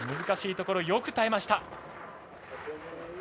難しいところ、よく耐えました。